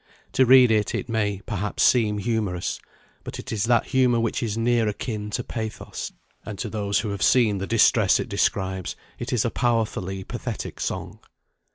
To read it, it may, perhaps, seem humorous; but it is that humour which is near akin to pathos, and to those who have seen the distress it describes, it is a powerfully pathetic song.